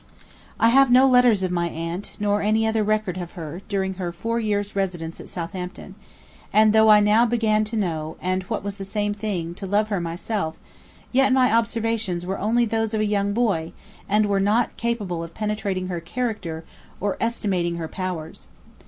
I have no letters of my aunt, nor any other record of her, during her four years' residence at Southampton; and though I now began to know, and, what was the same thing, to love her myself, yet my observations were only those of a young boy, and were not capable of penetrating her character, or estimating her powers.